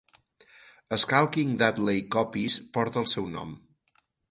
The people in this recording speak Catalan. Skulking Dudley Coppice porta el seu nom.